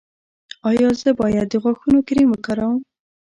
ایا زه باید د غاښونو کریم وکاروم؟